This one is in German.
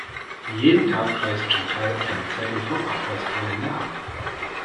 Jeden Tag reißt Chantal einen Zettel vom Abreißkalender ab.